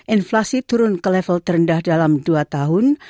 inflasi turun ke level terendah dalam dua tahun